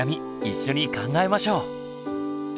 一緒に考えましょう。